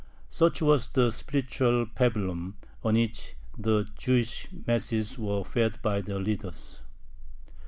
Such was the spiritual pabulum on which the Jewish masses were fed by their leaders.